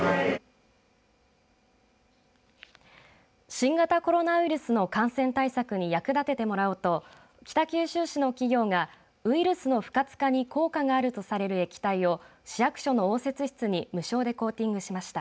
新型コロナウイルスの感染対策に役立ててもらおうと北九州市の企業がウイルスの不活化に効果があるとされる液体を市役所の応接室に無償でコーティングしました。